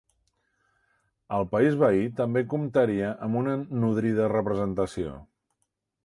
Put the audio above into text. El país veí també comptaria amb una nodrida representació.